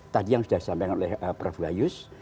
tadi yang sudah disampaikan oleh prof gayus